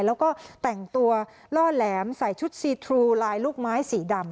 แล้วก็แต่งตัวล่อแหลมใส่ชุดซีทรูลายลูกไม้สีดำ